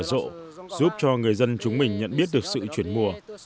hoa tớ dày là loài hoa rộ giúp cho người dân chúng mình nhận biết được sự chuyển mùa